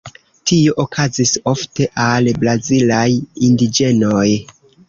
Tio okazis ofte al brazilaj indiĝenoj.